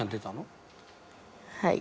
はい。